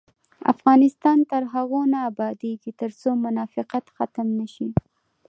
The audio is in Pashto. افغانستان تر هغو نه ابادیږي، ترڅو منافقت ختم نشي.